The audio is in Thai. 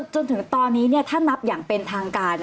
จนถึงตอนนี้ถ้านับอย่างเป็นทางการ